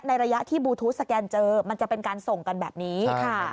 ระยะที่บลูทูธสแกนเจอมันจะเป็นการส่งกันแบบนี้ค่ะ